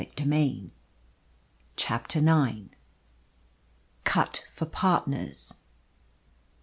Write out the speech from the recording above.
"In Spain." CHAPTER IX. CUT FOR PARTNERS.